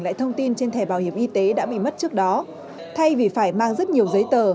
lại thông tin trên thẻ bảo hiểm y tế đã bị mất trước đó thay vì phải mang rất nhiều giấy tờ